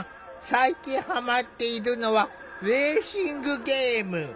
最近ハマっているのはレーシングゲーム。